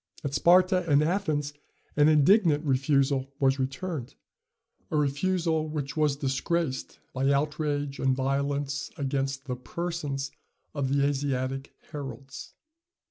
At Sparta and Athens an indignant refusal was returned a refusal which was disgraced by outrage and violence against the persons of the Asiatic heralds. [Footnote 44: Æschines.